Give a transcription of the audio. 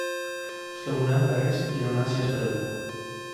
Ostegunean, berriz, giro nahasia espero dugu.